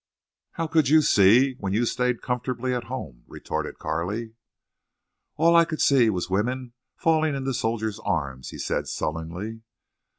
"How could you see when you stayed comfortably at home?" retorted Carley. "All I could see was women falling into soldiers' arms," he said, sullenly.